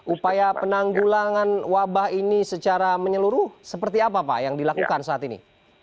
upaya penanggulangan wabah ini secara menyeluruh seperti apa pak yang dilakukan saat ini